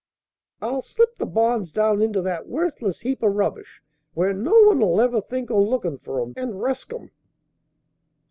"I'll slip the bonds down into that worthless heap o' rubbish, where no one 'ull ever think o' lookin' for 'em, and resk 'em."